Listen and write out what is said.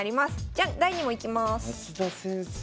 じゃ第２問いきます。